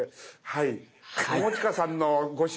はい。